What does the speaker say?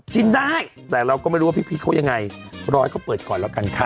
กินได้แต่เราก็ไม่รู้ว่าพีชเขายังไงรอให้เขาเปิดก่อนแล้วกันค่ะ